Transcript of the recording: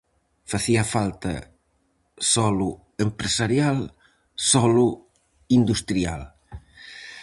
Facía falta solo empresarial, solo industrial.